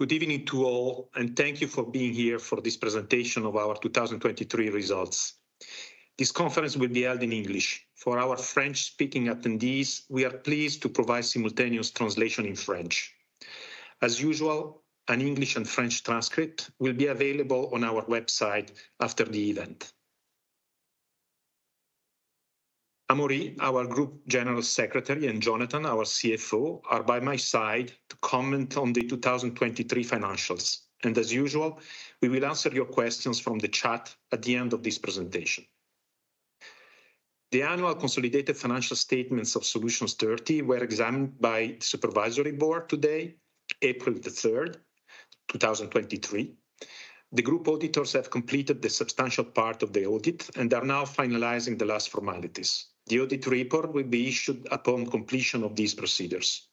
Good evening to all, and thank you for being here for this presentation of our 2023 results. This conference will be held in English, for our French-speaking attendees, we are pleased to provide simultaneous translation in French. As usual, an English and French transcript will be available on our website after the event. Amaury, our Group Secretary General, and Jonathan, our CFO, are by my side to comment on the 2023 financials, and as usual, we will answer your questions from the chat at the end of this presentation. The annual consolidated financial statements of Solutions 30 were examined by the Supervisory Board today, April 3, 2023. The group auditors have completed the substantial part of the audit and are now finalizing the last formalities. The audit report will be issued upon completion of these procedures.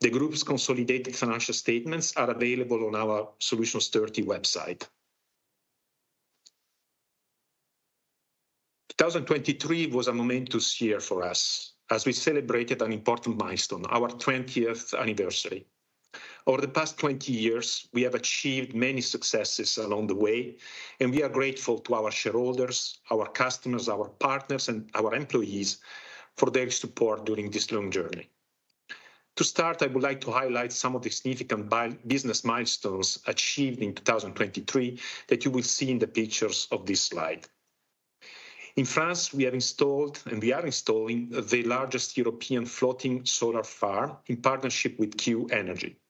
The group's consolidated financial statements are available on our Solutions 30 website. 2023 was a momentous year for us as we celebrated an important milestone, our 20th anniversary. Over the past 20 years, we have achieved many successes along the way, and we are grateful to our shareholders, our customers, our partners, and our employees for their support during this long journey. To start, I would like to highlight some of the significant business milestones achieved in 2023 that you will see in the pictures of this slide. In France, we have installed, and we are installing, the largest European floating solar farm in partnership with Q ENERGY.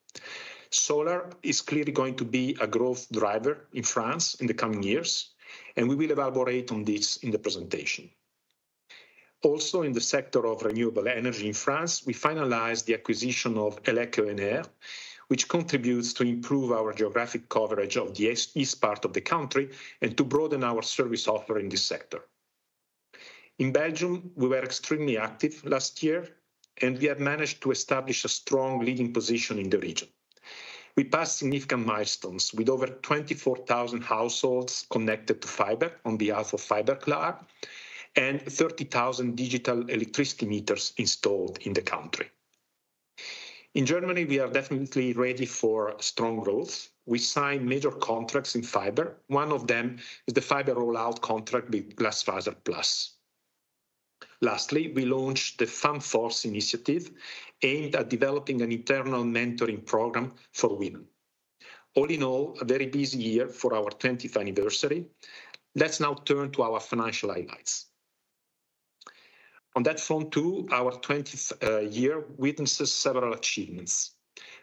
Solar is clearly going to be a growth driver in France in the coming years, and we will elaborate on this in the presentation. Also, in the sector of renewable energy in France, we finalized the acquisition of Elec ENR, which contributes to improve our geographic coverage of the east part of the country and to broaden our service offer in this sector. In Belgium, we were extremely active last year, and we have managed to establish a strong leading position in the region. We passed significant milestones with over 24,000 households connected to fiber on behalf of Fiberklaar and 30,000 digital electricity meters installed in the country. In Germany, we are definitely ready for strong growth. We signed major contracts in fiber. One of them is the fiber rollout contract with GlasfaserPlus. Lastly, we launched the Femme Force initiative aimed at developing an internal mentoring program for women. All in all, a very busy year for our 20th anniversary. Let's now turn to our financial highlights. On that front too, our 20th year witnesses several achievements.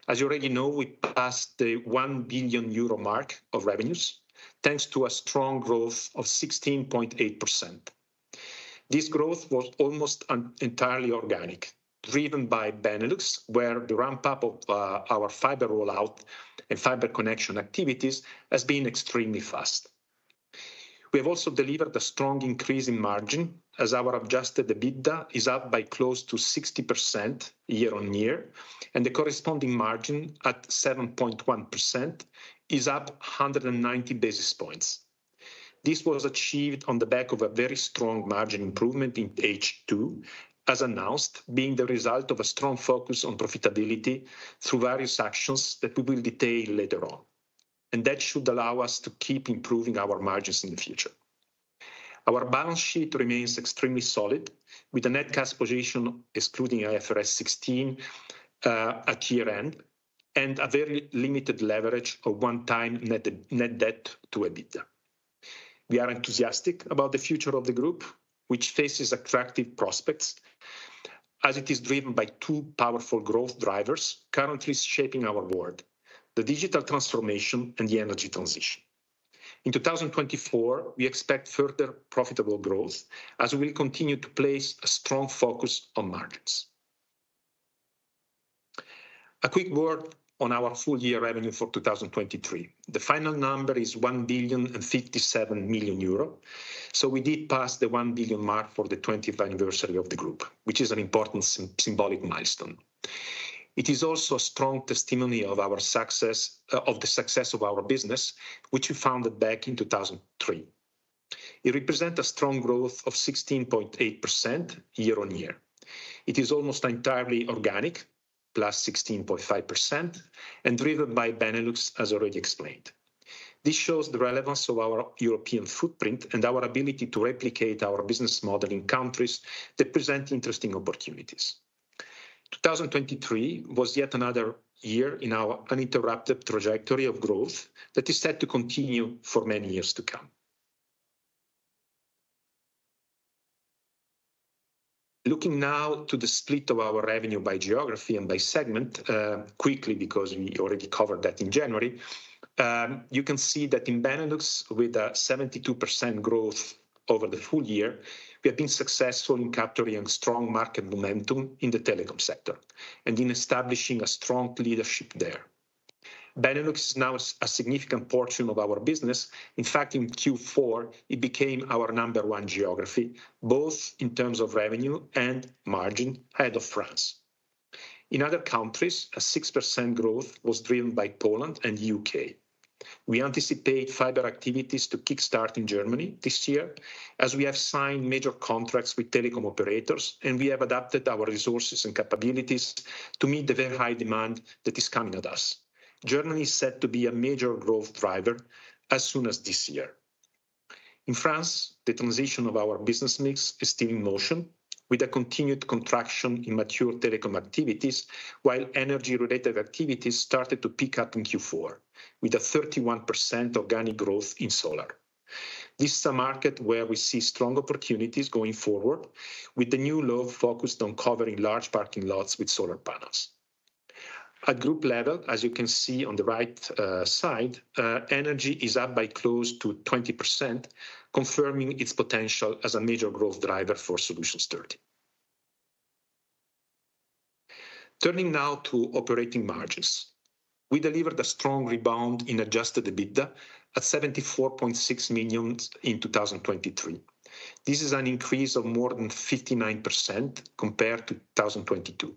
As you already know, we passed the 1 billion euro mark of revenues thanks to a strong growth of 16.8%. This growth was almost entirely organic, driven by Benelux, where the ramp-up of our fiber rollout and fiber connectionactivities has been extremely fast. We have also delivered a strong increase in margin as our Adjusted EBITDA is up by close to 60% year-over-year, and the corresponding margin at 7.1% is up 190 basis points. This was achieved on the back of a very strong margin improvement in H2, as announced, being the result of a strong focus on profitability through various actions that we will detail later on, and that should allow us to keep improving our margins in the future. Our balance sheet remains extremely solid, with a net cash position excluding IFRS 16 at year-end and a very limited leverage of 1x net debt to EBITDA. We are enthusiastic about the future of the group, which faces attractive prospects as it is driven by two powerful growth drivers currently shaping our world: the digital transformation and the energy transition. In 2024, we expect further profitable growth as we will continue to place a strong focus on margins. A quick word on our full-year revenue for 2023. The final number is 1.057 billion, so we did pass the 1 billion mark for the 20th anniversary of the group, which is an important symbolic milestone. It is also a strong testimony of the success of our business, which we founded back in 2003. It represents a strong growth of 16.8% year-over-year. It is almost entirely organic, plus 16.5%, and driven by Benelux, as already explained. This shows the relevance of our European footprint and our ability to replicate our business model in countries that present interesting opportunities. 2023 was yet another year in our uninterrupted trajectory of growth that is set to continue for many years to come. Looking now to the split of our revenue by geography and by segment quickly, because we already covered that in January, you can see that in Benelux, with a 72% growth over the full year, we have been successful in capturing strong market momentum in the telecom sector and in establishing a strong leadership there. Benelux is now a significant portion of our business. In fact, in Q4, it became our number one geography, both in terms of revenue and margin, ahead of France. In other countries, a 6% growth was driven by Poland and the U.K. We anticipate fiber activities to kick start in Germany this year as we have signed major contracts with telecom operators, and we have adapted our resources and capabilities to meet the very high demand that is coming at us. Germany is set to be a major growth driver as soon as this year. In France, the transition of our business mix is still in motion, with a continued contraction in mature telecom activities while energy-related activities started to pick up in Q4, with a 31% organic growth in solar. This is a market where we see strong opportunities going forward, with the new law focused on covering large parking lots with solar panels. At group level, as you can see on the right side, energy is up by close to 20%, confirming its potential as a major growth driver for Solutions 30. Turning now to operating margins, we delivered a strong rebound in Adjusted EBITDA at 74.6 million in 2023. This is an increase of more than 59% compared to 2022.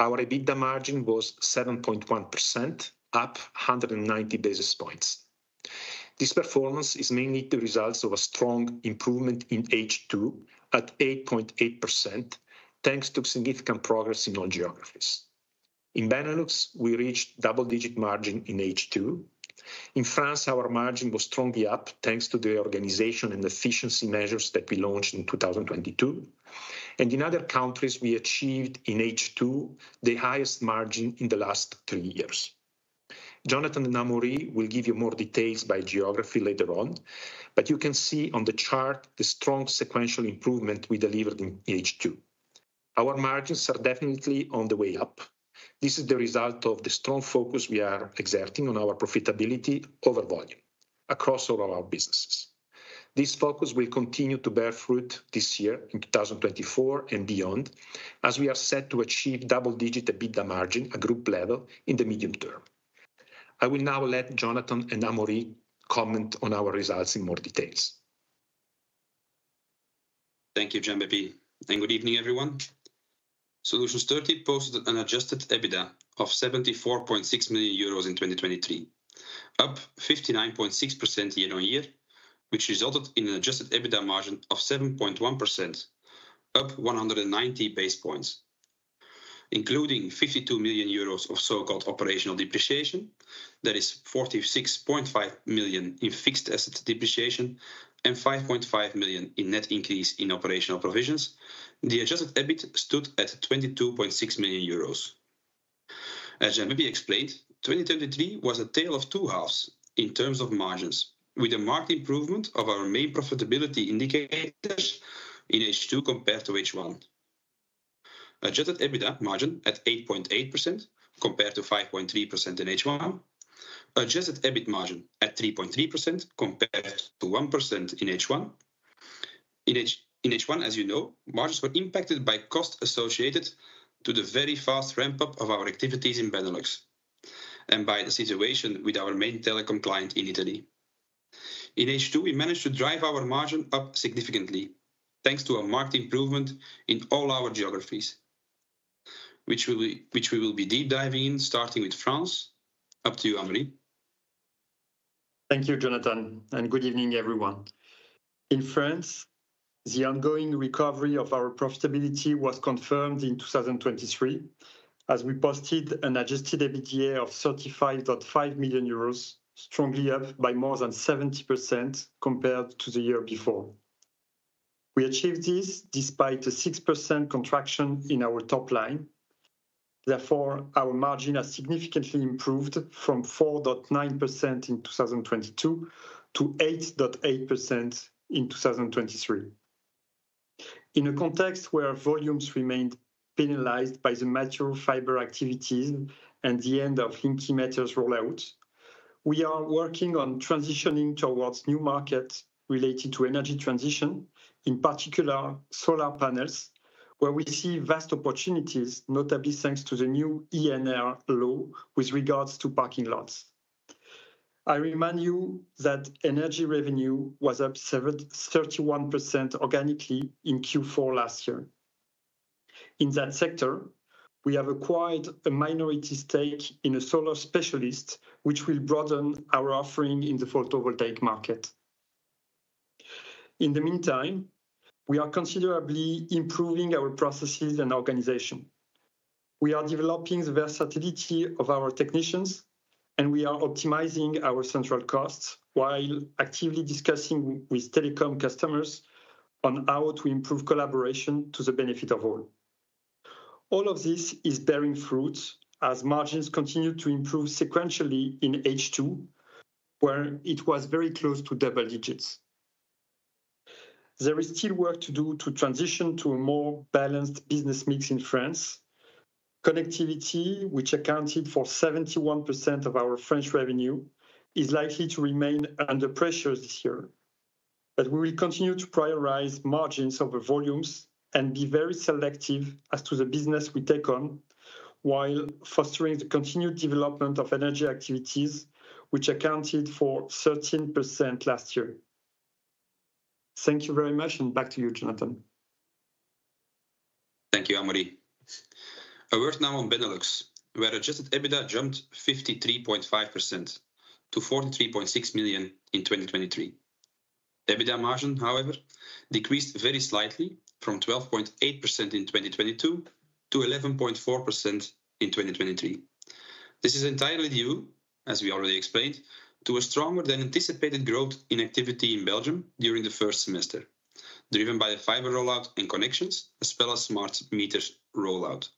Our EBITDA margin was 7.1%, up 190 basis points. This performance is mainly the result of a strong improvement in H2 at 8.8%, thanks to significant progress in all geographies. In Benelux, we reached double-digit margin in H2. In France, our margin was strongly up thanks to the organization and efficiency measures that we launched in 2022, and in other countries, we achieved in H2 the highest margin in the last three years. Jonathan and Amaury will give you more details by geography later on, but you can see on the chart the strong sequential improvement we delivered in H2. Our margins are definitely on the way up. This is the result of the strong focus we are exerting on our profitability over volume across all of our businesses. This focus will continue to bear fruit this year, in 2024 and beyond, as we are set to achieve double-digit EBITDA margin at group level in the medium term. I will now let Jonathan and Amaury comment on our results in more details. Thank you, Gianbeppi, and good evening, everyone. Solutions 30 posted an Adjusted EBITDA of 74.6 million euros in 2023, up 59.6% year-over-year, which resulted in an Adjusted EBITDA margin of 7.1%, up 190 basis points. Including 52 million euros of so-called operational depreciation, that is 46.5 million in fixed asset depreciation and 5.5 million in net increase in operational provisions, the Adjusted EBIT stood at 22.6 million euros. As Gianbeppi explained, 2023 was a tale of two halves in terms of margins, with a marked improvement of our main profitability indicators in H2 compared to H1: Adjusted EBITDA margin at 8.8% compared to 5.3% in H1, Adjusted EBIT margin at 3.3% compared to 1% in H1. In H1, as you know, margins were impacted by costs associated with the very fast ramp-up of our activities in Benelux and by the situation with our main telecom client in Italy. In H2, we managed to drive our margin up significantly thanks to a marked improvement in all our geographies, which we will be deep-diving in, starting with France. Up to you, Amaury. Thank you, Jonathan, and good evening, everyone. In France, the ongoing recovery of our profitability was confirmed in 2023 as we posted an Adjusted EBITDA of 35.5 million euros, strongly up by more than 70% compared to the year before. We achieved this despite a 6% contraction in our top line. Therefore, our margin has significantly improved from 4.9% in 2022-8.8% in 2023. In a context where volumes remained penalized by the mature fiber activities and the end of Linky meters rollout, we are working on transitioning towards new markets related to energy transition, in particular solar panels, where we see vast opportunities, notably thanks to the new ENR law with regards to parking lots. I remind you that energy revenue was up 31% organically in Q4 last year. In that sector, we have acquired a minority stake in a solar specialist, which will broaden our offering in the photovoltaic market. In the meantime, we are considerably improving our processes and organization. We are developing the versatility of our technicians, and we are optimizing our central costs while actively discussing with telecom customers on how to improve collaboration to the benefit of all. All of this is bearing fruit as margins continue to improve sequentially in H2, where it was very close to double digits. There is still work to do to transition to a more balanced business mix in France. Connectivity, which accounted for 71% of our French revenue, is likely to remain under pressure this year, but we will continue to prioritize margins over volumes and be very selective as to the business we take on while fostering the continued development of energy activities, which accounted for 13% last year. Thank you very much, and back to you, Jonathan. Thank you, Amaury. I work now on Benelux, where adjusted EBITDA jumped 53.5% to 43.6 million in 2023. EBITDA margin, however, decreased very slightly from 12.8% in 2022-1.4% in 2023. This is entirely due, as we already explained, to a stronger than anticipated growth in activity in Belgium during the first semester, driven by the fiber rollout and connections, as well as smart meters rollout.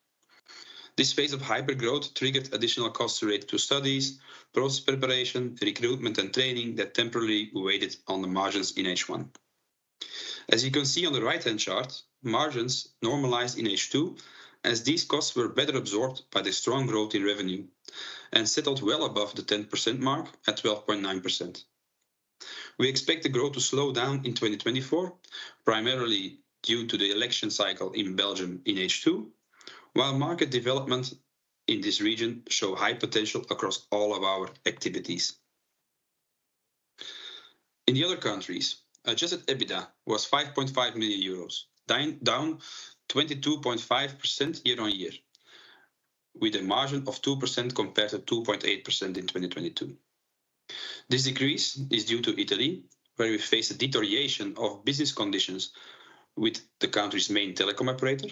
This phase of hyper-growth triggered additional costs related to studies, process preparation, recruitment, and training that temporarily weighed on the margins in H1. As you can see on the right-hand chart, margins normalized in H2 as these costs were better absorbed by the strong growth in revenue and settled well above the 10% mark at 12.9%. We expect the growth to slow down in 2024, primarily due to the election cycle in Belgium in H2, while market development in this region shows high potential across all of our activities. In the other countries, Adjusted EBITDA was 5.5 million euros, down 22.5% year-over-year, with a margin of 2% compared to 2.8% in 2022. This decrease is due to Italy, where we face a deterioration of business conditions with the country's main telecom operator.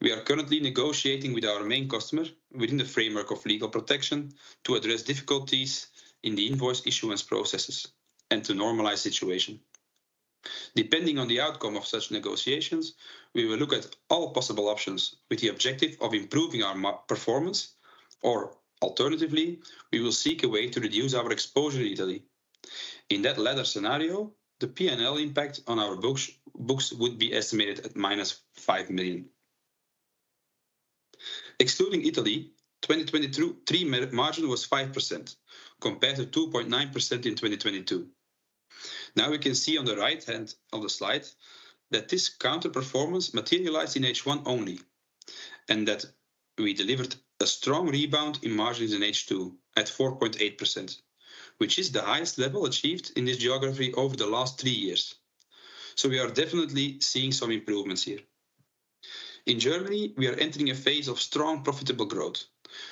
We are currently negotiating with our main customer within the framework of legal protection to address difficulties in the invoice issuance processes and to normalize the situation. Depending on the outcome of such negotiations, we will look at all possible options with the objective of improving our performance, or alternatively, we will seek a way to reduce our exposure in Italy. In that latter scenario, the P&L impact on our books would be estimated at -5 million. Excluding Italy, 2023 margin was 5% compared to 2.9% in 2022. Now we can see on the right-hand of the slide that this counterperformance materialized in H1 only and that we delivered a strong rebound in margins in H2 at 4.8%, which is the highest level achieved in this geography over the last three years. So we are definitely seeing some improvements here. In Germany, we are entering a phase of strong profitable growth.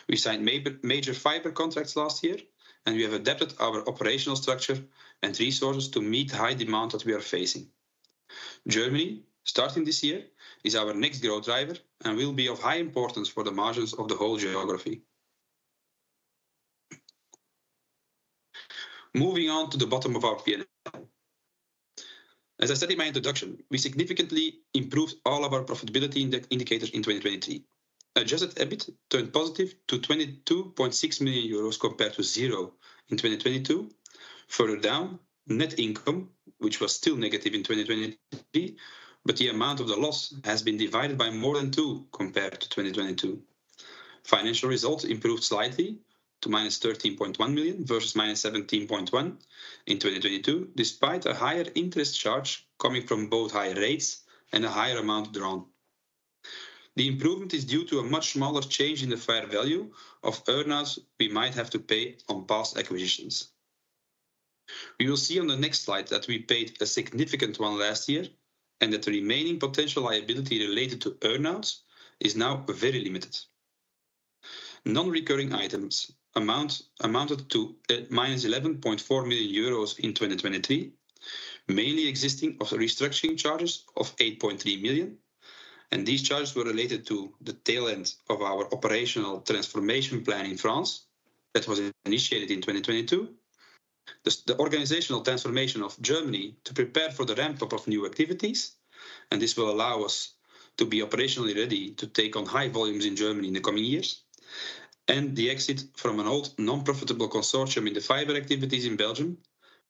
We signed major fiber contracts last year, and we have adapted our operational structure and resources to meet the high demand that we are facing. Germany, starting this year, is our next growth driver and will be of high importance for the margins of the whole geography. Moving on to the bottom of our P&L. As I said in my introduction, we significantly improved all of our profitability indicators in 2023. Adjusted EBIT turned positive to 22.6 million euros compared to 0 in 2022. Further down, net income, which was still negative in 2023, but the amount of the loss has been divided by more than two 2 compared to 2022. Financial results improved slightly to -13.1 million versus -17.1 million in 2022, despite a higher interest charge coming from both higher rates and a higher amount drawn. The improvement is due to a much smaller change in the fair value of earnouts we might have to pay on past acquisitions. We will see on the next slide that we paid a significant one last year and that the remaining potential liability related to earnouts is now very limited. Non-recurring items amounted to minus 11.4 million euros in 2023, mainly existing restructuring charges of 8.3 million, and these charges were related to the tail end of our operational transformation plan in France that was initiated in 2022, the organizational transformation of Germany to prepare for the ramp-up of new activities, and this will allow us to be operationally ready to take on high volumes in Germany in the coming years, and the exit from an old non-profitable consortium in the fiber activities in Belgium,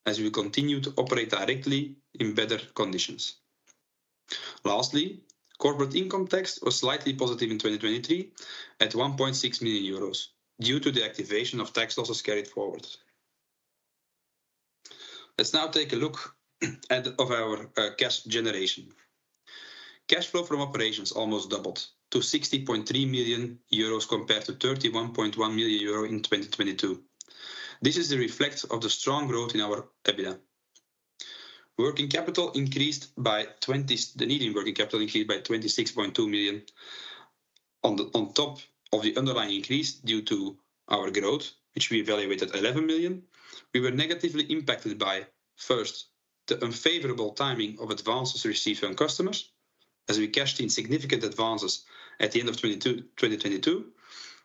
as we will continue to operate directly in better conditions. Lastly, corporate income tax was slightly positive in 2023 at 1.6 million euros due to the activation of tax losses carried forward. Let's now take a look at our cash generation. Cash flow from operations almost doubled to 60.3 million euros compared to 31.1 million euro in 2022. This is a reflection of the strong growth in our EBITDA. Working capital increased by 20%. The net working capital increased by 26.2 million, on top of the underlying increase due to our growth, which we evaluated at 11 million. We were negatively impacted by, first, the unfavorable timing of advances received from customers, as we cashed in significant advances at the end of 2022,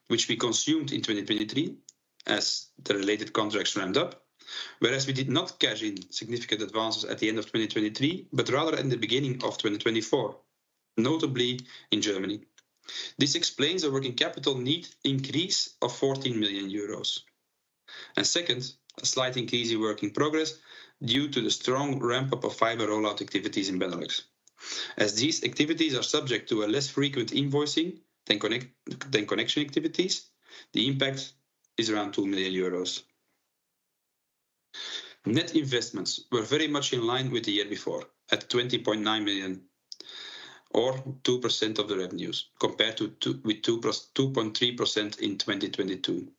which we consumed in 2023 as the related contracts ramped up, whereas we did not cash in significant advances at the end of 2023 but rather at the beginning of 2024, notably in Germany. This explains the working capital need increase of 14 million euros. And second, a slight increase in work in progress due to the strong ramp-up of fiber rollout activities in Benelux. As these activities are subject to less frequent invoicing than connection activities, the impact is around 2 million euros. Net investments were very much in line with the year before at 20.9 million, or 2% of the revenues, compared with 2.3% in 2022.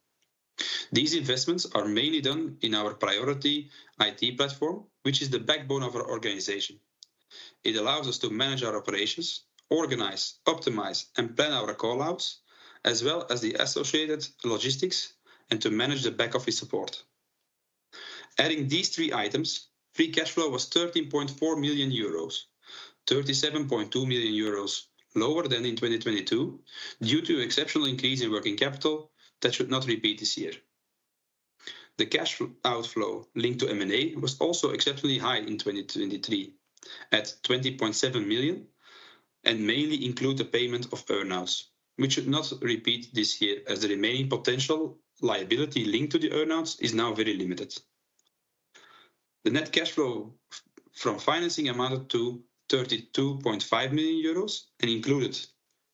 These investments are mainly done in our priority IT platform, which is the backbone of our organization. It allows us to manage our operations, organize, optimize, and plan our callouts, as well as the associated logistics, and to manage the back-office support. Adding these three items, free cash flow was 13.4 million euros, 37.2 million euros lower than in 2022 due to an exceptional increase in working capital that should not repeat this year. The cash outflow linked to M&A was also exceptionally high in 2023 at 20.7 million and mainly included the payment of earnouts, which should not repeat this year as the remaining potential liability linked to the earnouts is now very limited. The net cash flow from financing amounted to 32.5 million euros and included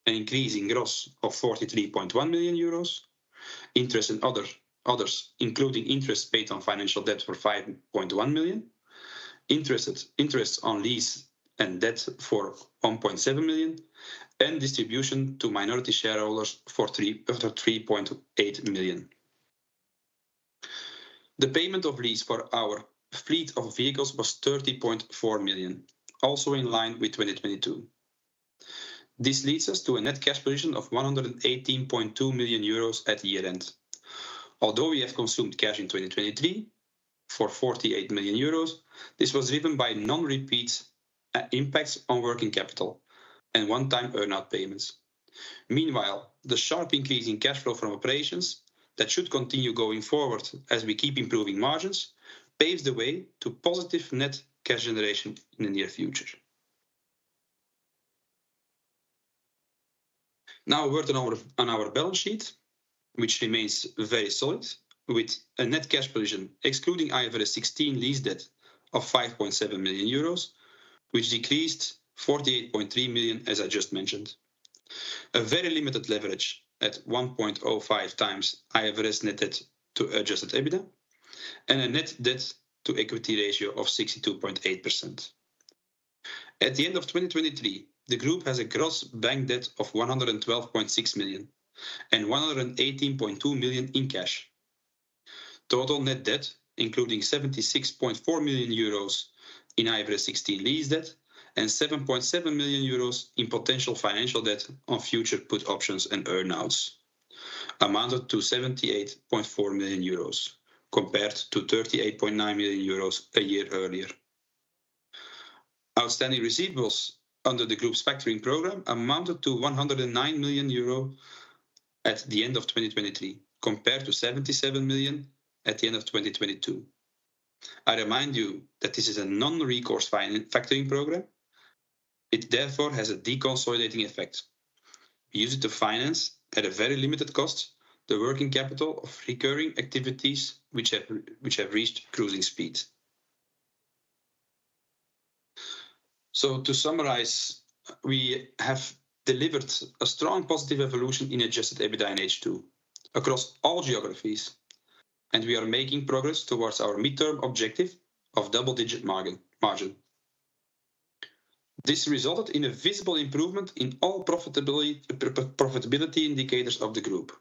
an increase in gross of 43.1 million euros, interest and others, including interest paid on financial debt for 5.1 million, interest on lease and debt for 1.7 million, and distribution to minority shareholders for 3.8 million. The payment of lease for our fleet of vehicles was 30.4 million, also in line with 2022. This leads us to a net cash position of 118.2 million euros at year-end. Although we have consumed cash in 2023 for 48 million euros, this was driven by non-repeat impacts on working capital and one-time earnout payments. Meanwhile, the sharp increase in cash flow from operations that should continue going forward as we keep improving margins paves the way to positive net cash generation in the near future. Now, a word on our balance sheet, which remains very solid, with a net cash position excluding IFRS 16 lease debt of 5.7 million euros, which decreased to 48.3 million, as I just mentioned. A very limited leverage at 1.05 times IFRS net debt to Adjusted EBITDA and a net debt-to-equity ratio of 62.8%. At the end of 2023, the group has a gross bank debt of 112.6 million and 118.2 million in cash. Total net debt, including 76.4 million euros in IFRS 16 lease debt and 7.7 million euros in potential financial debt on future put options and earnouts, amounted to 78.4 million euros compared to 38.9 million euros a year earlier. Outstanding receivables under the group's factoring program amounted to 109 million euro at the end of 2023 compared to 77 million at the end of 2022. I remind you that this is a non-recourse factoring program. It, therefore, has a deconsolidating effect. We use it to finance at a very limited cost the working capital of recurring activities which have reached cruising speed. So, to summarize, we have delivered a strong positive evolution in Adjusted EBITDA in H2 across all geographies, and we are making progress towards our midterm objective of double-digit margin. This resulted in a visible improvement in all profitability indicators of the group.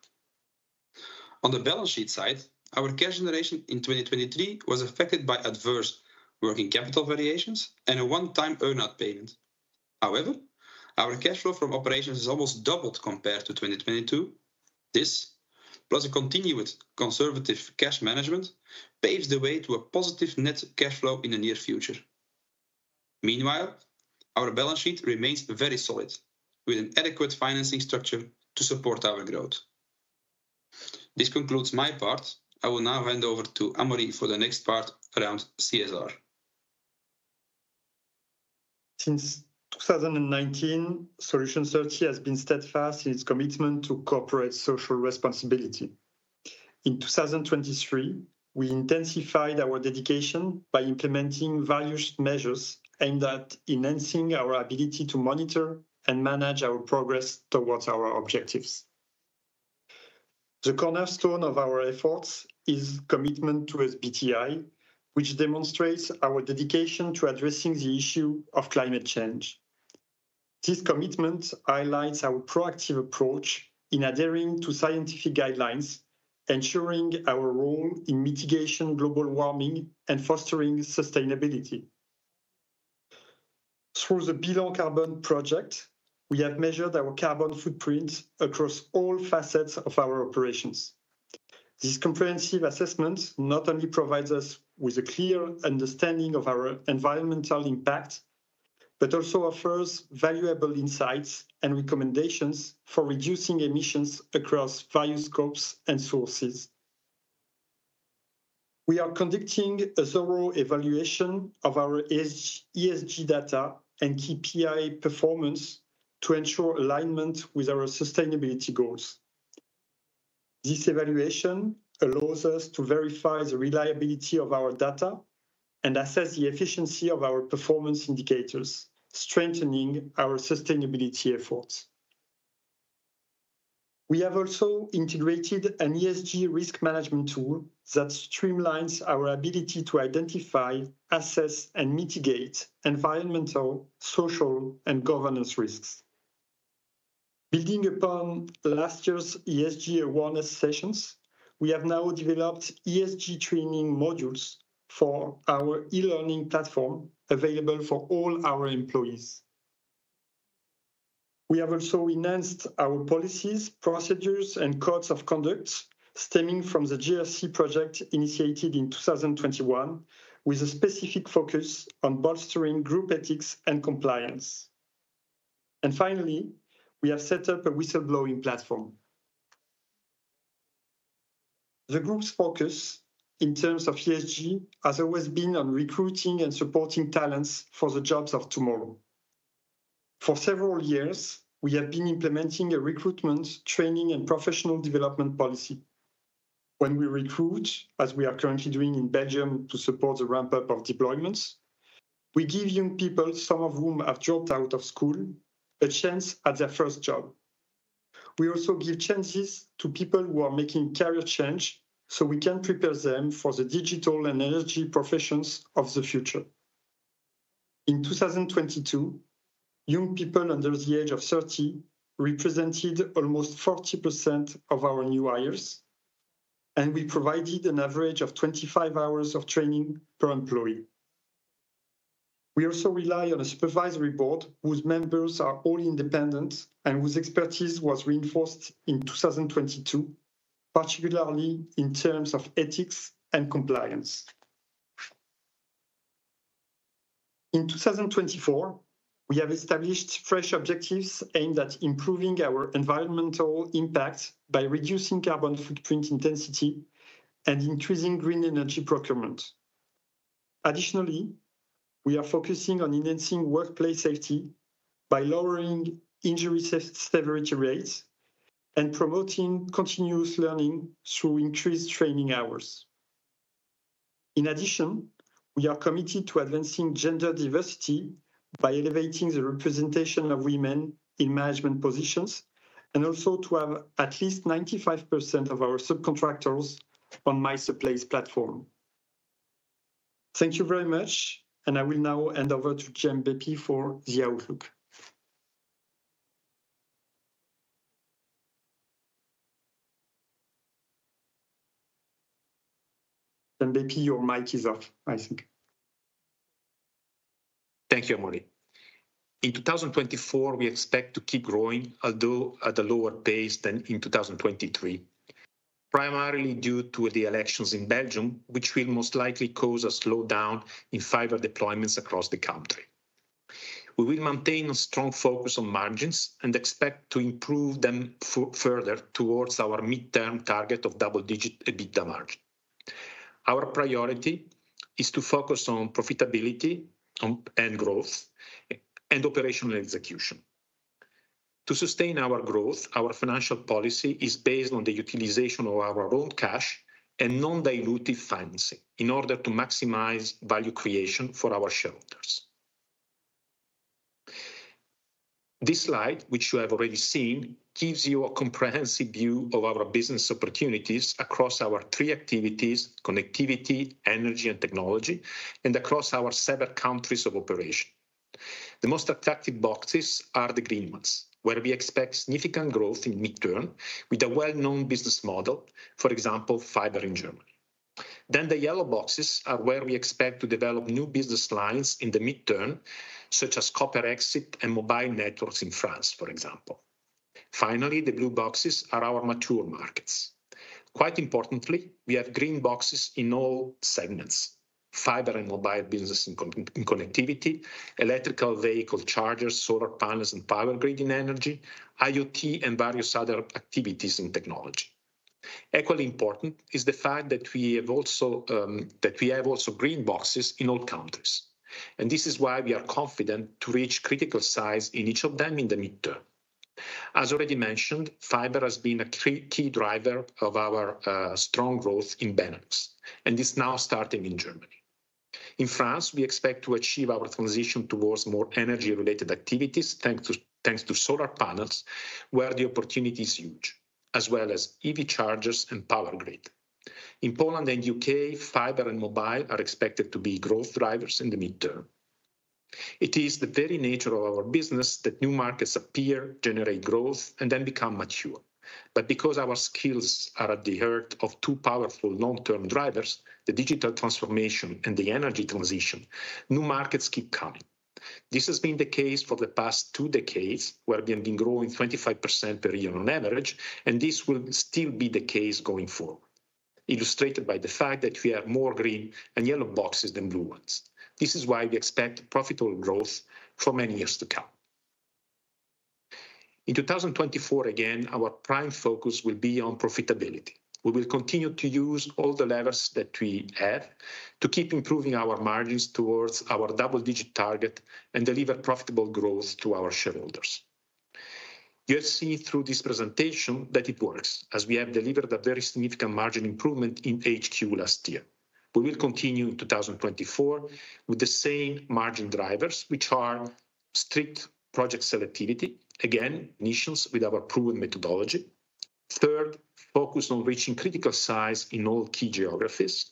On the balance sheet side, our cash generation in 2023 was affected by adverse working capital variations and a one-time earnout payment. However, our cash flow from operations has almost doubled compared to 2022. This, plus a continued conservative cash management, paves the way to a positive net cash flow in the near future. Meanwhile, our balance sheet remains very solid, with an adequate financing structure to support our growth. This concludes my part. I will now hand over to Amaury for the next part around CSR. Since 2019, Solutions 30 has been steadfast in its commitment to corporate social responsibility. In 2023, we intensified our dedication by implementing valued measures aimed at enhancing our ability to monitor and manage our progress toward our objectives. The cornerstone of our efforts is commitment to SBTi, which demonstrates our dedication to addressing the issue of climate change. This commitment highlights our proactive approach in adhering to scientific guidelines, ensuring our role in mitigating global warming and fostering sustainability. Through the Bilan Carbone project, we have measured our carbon footprint across all facets of our operations. This comprehensive assessment not only provides us with a clear understanding of our environmental impact but also offers valuable insights and recommendations for reducing emissions across various scopes and sources. We are conducting a thorough evaluation of our ESG data and KPI performance to ensure alignment with our sustainability goals. This evaluation allows us to verify the reliability of our data and assess the efficiency of our performance indicators, strengthening our sustainability efforts. We have also integrated an ESG risk management tool that streamlines our ability to identify, assess, and mitigate environmental, social, and governance risks. Building upon last year's ESG awareness sessions, we have now developed ESG training modules for our e-learning platform available for all our employees. We have also enhanced our policies, procedures, and codes of conduct stemming from the GRC project initiated in 2021 with a specific focus on bolstering group ethics and compliance. Finally, we have set up a whistleblowing platform. The group's focus in terms of ESG has always been on recruiting and supporting talents for the jobs of tomorrow. For several years, we have been implementing a recruitment, training, and professional development policy. When we recruit, as we are currently doing in Belgium to support the ramp-up of deployments, we give young people, some of whom have dropped out of school, a chance at their first job. We also give chances to people who are making career change so we can prepare them for the digital and energy professions of the future. In 2022, young people under the age of 30 represented almost 40% of our new hires, and we provided an average of 25 hours of training per employee. We also rely on a supervisory board whose members are all independent and whose expertise was reinforced in 2022, particularly in terms of ethics and compliance. In 2024, we have established fresh objectives aimed at improving our environmental impact by reducing carbon footprint intensity and increasing green energy procurement. Additionally, we are focusing on enhancing workplace safety by lowering injury severity rates and promoting continuous learning through increased training hours. In addition, we are committed to advancing gender diversity by elevating the representation of women in management positions and also to have at least 95% of our subcontractors on MySupplies platform. Thank you very much, and I will now hand over to Gianbeppi for the outlook. Gianbeppi, your mic is off, I think. Thank you, Amaury. In 2024, we expect to keep growing, although at a lower pace than in 2023, primarily due to the elections in Belgium, which will most likely cause a slowdown in fiber deployments across the country. We will maintain a strong focus on margins and expect to improve them further towards our midterm target of double-digit EBITDA margin. Our priority is to focus on profitability and growth and operational execution. To sustain our growth, our financial policy is based on the utilization of our own cash and non-dilutive financing in order to maximize value creation for our shareholders. This slide, which you have already seen, gives you a comprehensive view of our business opportunities across our three activities: connectivity, energy, and technology, and across our seven countries of operation. The most attractive boxes are the green ones, where we expect significant growth in midterm with a well-known business model, for example, fiber in Germany. Then the yellow boxes are where we expect to develop new business lines in the midterm, such as copper exit and mobile networks in France, for example. Finally, the blue boxes are our mature markets. Quite importantly, we have green boxes in all segments: fiber and mobile business in connectivity, electric vehicle chargers, solar panels, and power grid in energy, IoT, and various other activities in technology. Equally important is the fact that we have also green boxes in all countries, and this is why we are confident to reach critical size in each of them in the midterm. As already mentioned, fiber has been a key driver of our strong growth in Benelux, and it's now starting in Germany. In France, we expect to achieve our transition towards more energy-related activities thanks to solar panels, where the opportunity is huge, as well as EV chargers and power grid. In Poland and U.K., fiber and mobile are expected to be growth drivers in the midterm. It is the very nature of our business that new markets appear, generate growth, and then become mature. But because our skills are at the heart of two powerful long-term drivers, the digital transformation and the energy transition, new markets keep coming. This has been the case for the past two decades, where we have been growing 25% per year on average, and this will still be the case going forward, illustrated by the fact that we have more green and yellow boxes than blue ones. This is why we expect profitable growth for many years to come. In 2024, again, our prime focus will be on profitability. We will continue to use all the levers that we have to keep improving our margins towards our double-digit target and deliver profitable growth to our shareholders. You have seen through this presentation that it works, as we have delivered a very significant margin improvement in H2 last year. We will continue in 2024 with the same margin drivers, which are: strict project selectivity, again, internals with our proven methodology, third, focus on reaching critical size in all key geographies,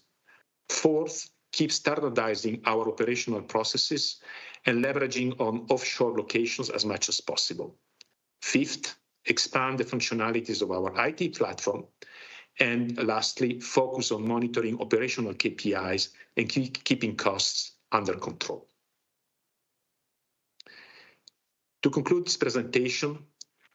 fourth, keep standardizing our operational processes and leveraging on offshore locations as much as possible, fifth, expand the functionalities of our IT platform, and lastly, focus on monitoring operational KPIs and keeping costs under control. To conclude this presentation,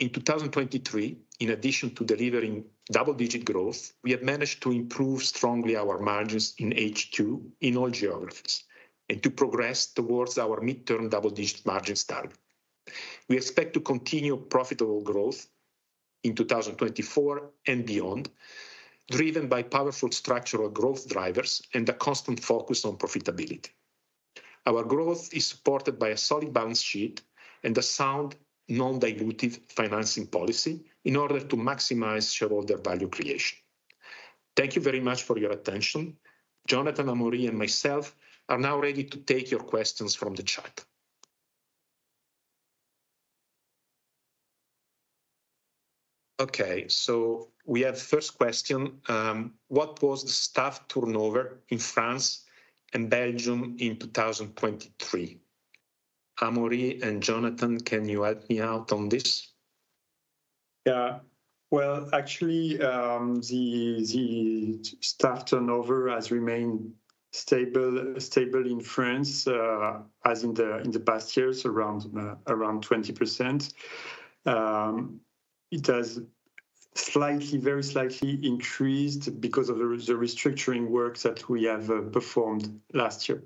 in 2023, in addition to delivering double-digit growth, we have managed to improve strongly our margins in H2 in all geographies and to progress towards our mid-term double-digit margins target. We expect to continue profitable growth in 2024 and beyond, driven by powerful structural growth drivers and a constant focus on profitability. Our growth is supported by a solid balance sheet and a sound non-dilutive financing policy in order to maximize shareholder value creation. Thank you very much for your attention. Jonathan, Amaury, and myself are now ready to take your questions from the chat. Okay, so we have the first question. What was the staff turnover in France and Belgium in 2023? Amaury and Jonathan, can you help me out on this? Yeah, well, actually, the staff turnover has remained stable in France, as in the past years, around 20%. It has slightly, very slightly increased because of the restructuring work that we have performed last year.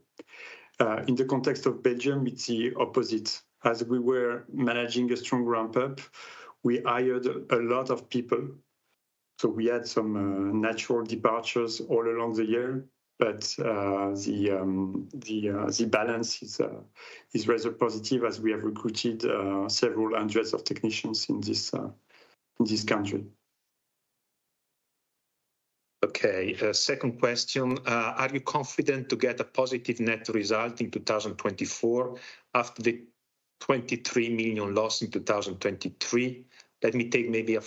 In the context of Belgium, it's the opposite. As we were managing a strong ramp-up, we hired a lot of people. So we had some natural departures all along the year, but the balance is rather positive, as we have recruited several hundreds of technicians in this country. Okay, second question. Are you confident to get a positive net result in 2024 after the 23 million loss in 2023? Let me take maybe a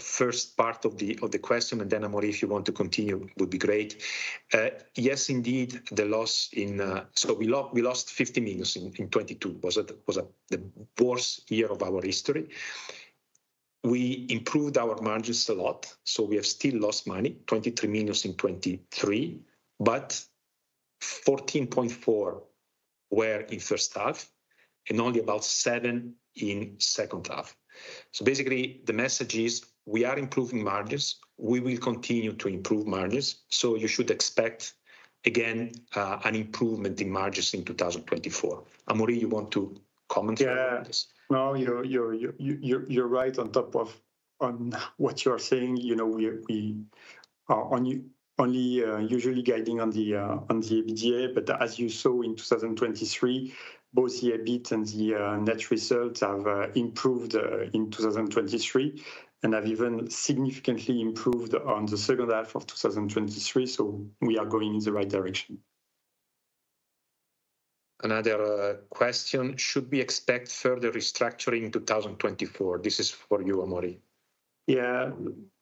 first part of the question, and then, Amaury, if you want to continue, would be great. Yes, indeed, the loss in so we lost 50 million in 2022. Was the worst year of our history. We improved our margins a lot, so we have still lost money, 23 million in 2023, but 14.4 million were in first half and only about 7 million in second half. So basically, the message is we are improving margins. We will continue to improve margins, so you should expect, again, an improvement in margins in 2024. Amaury, you want to comment on this? Yeah, no, you're right on top of what you are saying. We are only usually guiding on the EBITDA, but as you saw in 2023, both the EBIT and the net results have improved in 2023 and have even significantly improved on the second half of 2023, so we are going in the right direction. Another question. Should we expect further restructuring in 2024? This is for you, Amaury. Yeah,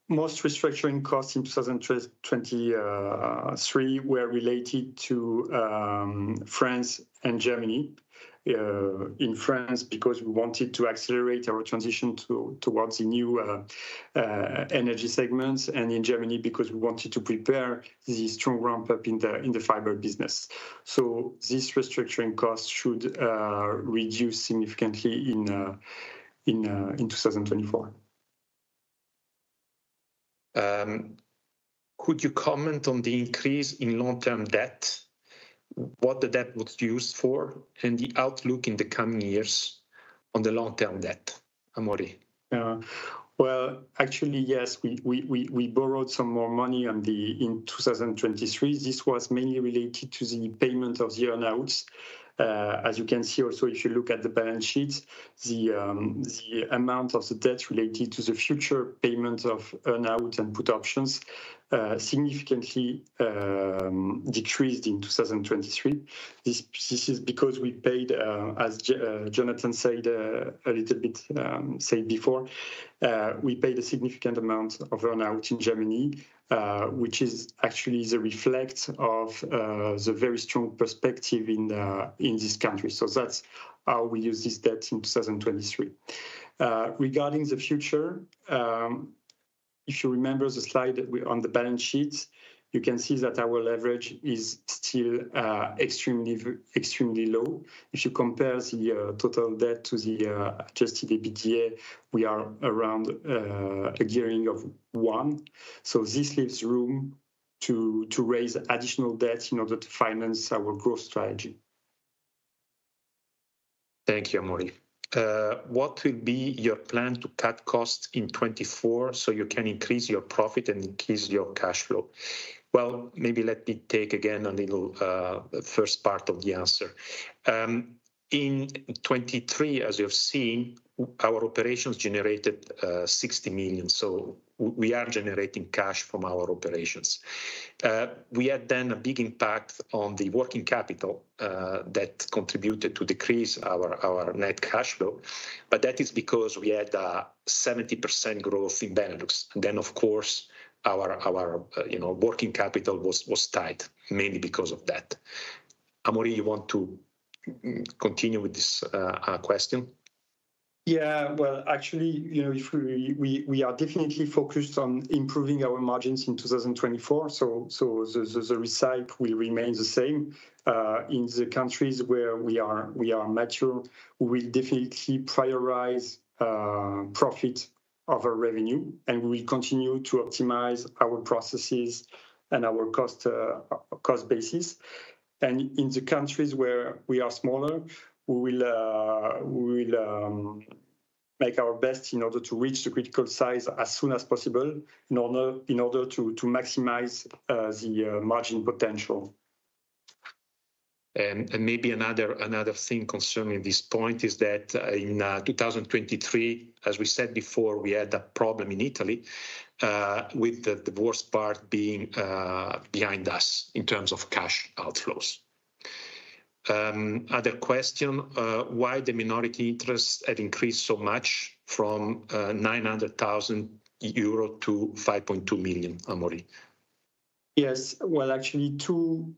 most restructuring costs in 2023 were related to France and Germany. In France, because we wanted to accelerate our transition towards the new energy segments, and in Germany, because we wanted to prepare the strong ramp-up in the fiber business. So these restructuring costs should reduce significantly in 2024. Could you comment on the increase in long-term debt? What the debt was used for and the outlook in the coming years on the long-term debt, Amaury? Yeah, well, actually, yes, we borrowed some more money in 2023. This was mainly related to the payment of the earnouts. As you can see also, if you look at the balance sheet, the amount of the debt related to the future payment of earnouts and put options significantly decreased in 2023. This is because we paid, as Jonathan said a little bit before, we paid a significant amount of earnout in Germany, which is actually the reflection of the very strong prospects in this country. So that's how we used this debt in 2023. Regarding the future, if you remember the slide on the balance sheet, you can see that our leverage is still extremely low. If you compare the total debt to the Adjusted EBITDA, we are around a gearing of one. So this leaves room to raise additional debt in order to finance our growth strategy. Thank you, Amaury. What will be your plan to cut costs in 2024 so you can increase your profit and increase your cash flow? Well, maybe let me take again a little first part of the answer. In 2023, as you have seen, our operations generated 60 million, so we are generating cash from our operations. We had then a big impact on the working capital that contributed to decrease our net cash flow, but that is because we had 70% growth in Benelux. And then, of course, our working capital was tight, mainly because of that. Amaury, you want to continue with this question? Yeah, well, actually, we are definitely focused on improving our margins in 2024, so the recycle will remain the same. In the countries where we are mature, we will definitely prioritize profit over revenue, and we will continue to optimize our processes and our cost basis. And in the countries where we are smaller, we will make our best in order to reach the critical size as soon as possible in order to maximize the margin potential. Maybe another thing concerning this point is that in 2023, as we said before, we had a problem in Italy, with the worst part being behind us in terms of cash outflows. Other question. Why the minority interests have increased so much from 900,000 euro to 5.2 million, Amaury? Yes, well, actually, two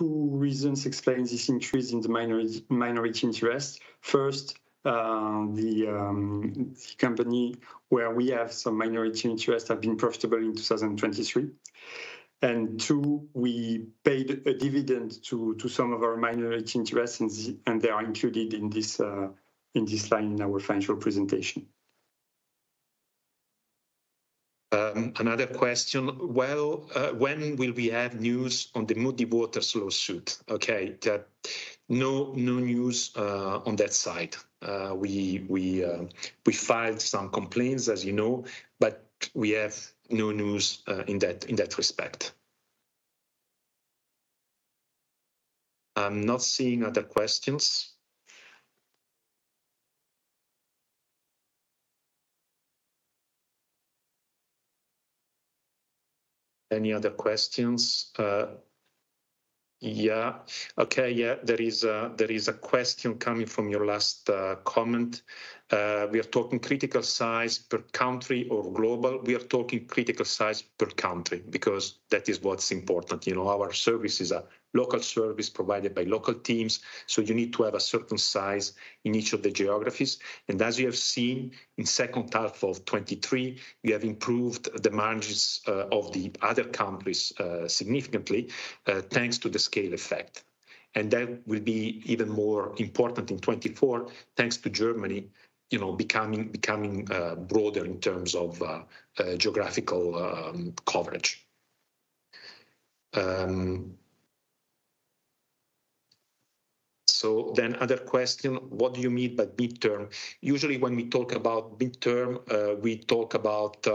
reasons explain this increase in the minority interest. First, the company where we have some minority interests have been profitable in 2023. And two, we paid a dividend to some of our minority interests, and they are included in this line in our financial presentation. Another question. Well, when will we have news on the Muddy Waters lawsuit? Okay, no news on that side. We filed some complaints, as you know, but we have no news in that respect. I'm not seeing other questions. Any other questions? Yeah? Okay, yeah, there is a question coming from your last comment. We are talking critical size per country or global? We are talking critical size per country because that is what's important. Our services are local services provided by local teams, so you need to have a certain size in each of the geographies. As you have seen, in second half of 2023, we have improved the margins of the other countries significantly thanks to the scale effect. That will be even more important in 2024 thanks to Germany becoming broader in terms of geographical coverage. Then other question. What do you mean by midterm? Usually, when we talk about midterm, we talk about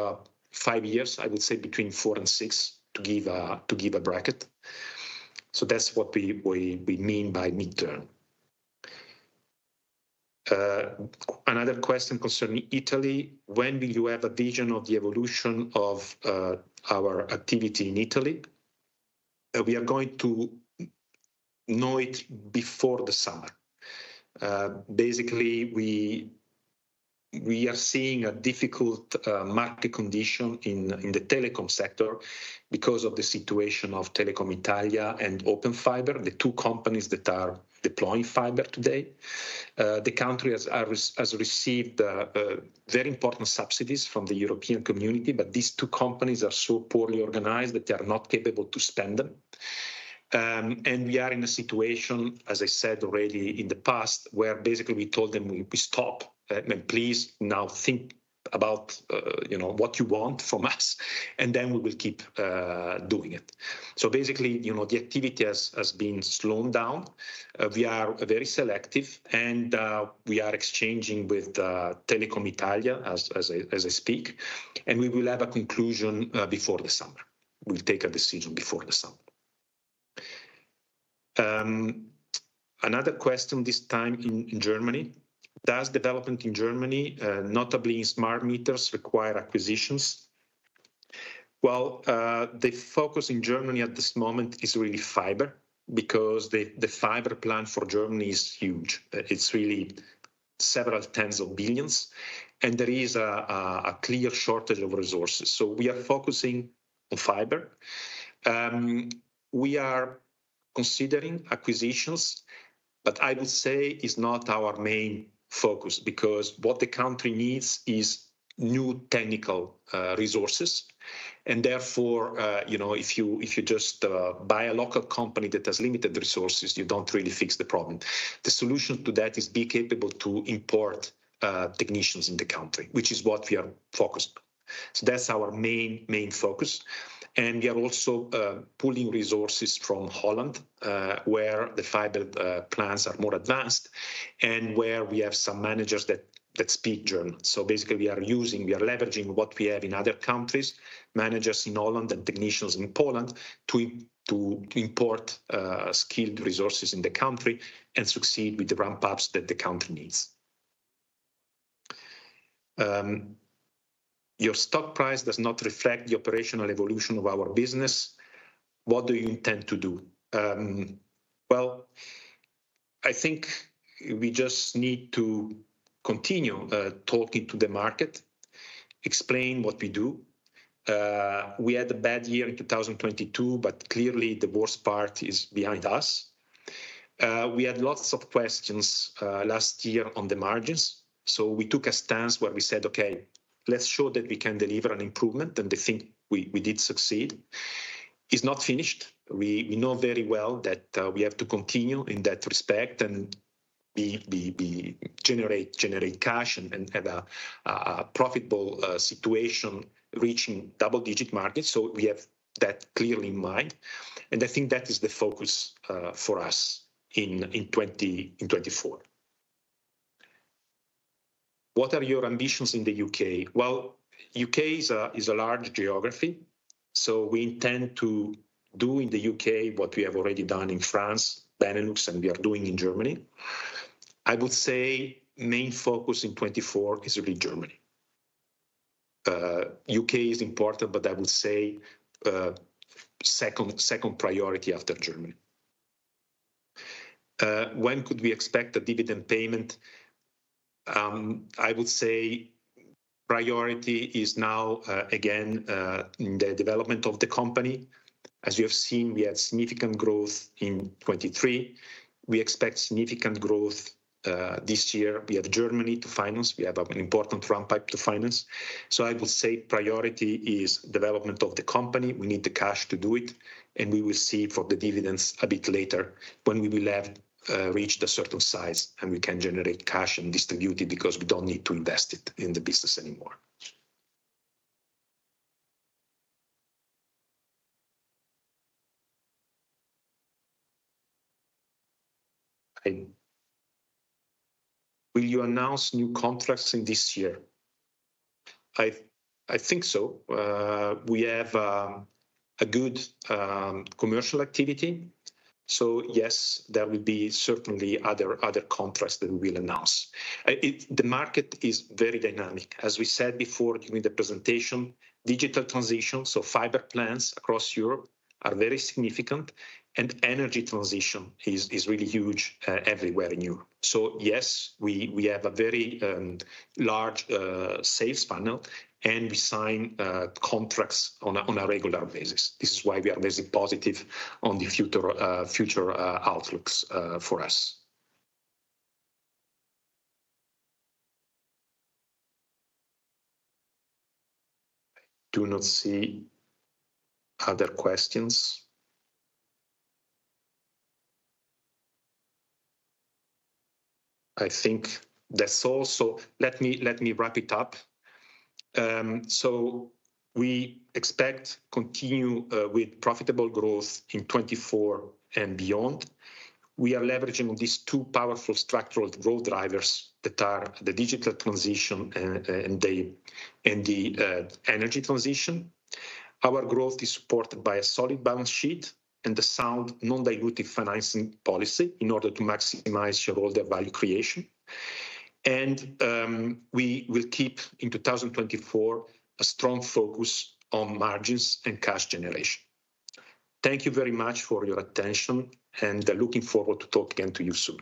five years, I would say, between four and six, to give a bracket. So that's what we mean by midterm. Another question concerning Italy. When will you have a vision of the evolution of our activity in Italy? We are going to know it before the summer. Basically, we are seeing a difficult market condition in the telecom sector because of the situation of Telecom Italia and Open Fiber, the two companies that are deploying fiber today. The countries have received very important subsidies from the European community, but these two companies are so poorly organized that they are not capable to spend them. And we are in a situation, as I said already in the past, where basically we told them, "We stop. Please now think about what you want from us, and then we will keep doing it." So basically, the activity has been slowed down. We are very selective, and we are exchanging with Telecom Italia, as I speak, and we will have a conclusion before the summer. We'll take a decision before the summer. Another question this time in Germany. Does development in Germany, notably in smart meters, require acquisitions? Well, the focus in Germany at this moment is really fiber because the fiber plan for Germany is huge. It's really several tens of billions EUR, and there is a clear shortage of resources. So we are focusing on fiber. We are considering acquisitions, but I would say it's not our main focus because what the country needs is new technical resources. And therefore, if you just buy a local company that has limited resources, you don't really fix the problem. The solution to that is to be capable to import technicians in the country, which is what we are focused on. So that's our main focus. And we are also pulling resources from Holland, where the fiber plans are more advanced and where we have some managers that speak German. So basically, we are leveraging what we have in other countries, managers in Holland and technicians in Poland, to import skilled resources in the country and succeed with the ramp-ups that the country needs. Your stock price does not reflect the operational evolution of our business. What do you intend to do? Well, I think we just need to continue talking to the market, explain what we do. We had a bad year in 2022, but clearly, the worst part is behind us. We had lots of questions last year on the margins, so we took a stance where we said, "Okay, let's show that we can deliver an improvement," and they think we did succeed. It's not finished. We know very well that we have to continue in that respect and generate cash and have a profitable situation reaching double-digit markets. So we have that clearly in mind, and I think that is the focus for us in 2024. What are your ambitions in the U.K.? Well, the U.K. is a large geography, so we intend to do in the U.K. what we have already done in France, Benelux, and we are doing in Germany. I would say the main focus in 2024 is really Germany. The U.K. is important, but I would say second priority after Germany. When could we expect a dividend payment? I would say priority is now, again, in the development of the company. As you have seen, we had significant growth in 2023. We expect significant growth this year. We have Germany to finance. We have an important ramp-up to finance. So I would say priority is development of the company. We need the cash to do it, and we will see for the dividends a bit later when we will have reached a certain size and we can generate cash and distribute it because we don't need to invest it in the business anymore. Will you announce new contracts in this year? I think so. We have a good commercial activity. So yes, there will be certainly other contracts that we will announce. The market is very dynamic. As we said before during the presentation, digital transition, so fiber plants across Europe, are very significant, and energy transition is really huge everywhere in Europe. So yes, we have a very large sales funnel, and we sign contracts on a regular basis. This is why we are very positive on the future outlooks for us. I do not see other questions. I think that's all. So let me wrap it up. So we expect to continue with profitable growth in 2024 and beyond. We are leveraging these two powerful structural growth drivers that are the digital transition and the energy transition. Our growth is supported by a solid balance sheet and a sound non-dilutive financing policy in order to maximize shareholder value creation. And we will keep in 2024 a strong focus on margins and cash generation. Thank you very much for your attention, and looking forward to talking again to you soon.